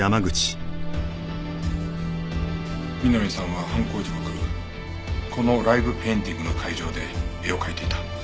美波さんは犯行時刻このライブペインティングの会場で絵を描いていた。